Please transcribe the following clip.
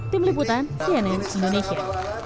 tim liputan cnn indonesia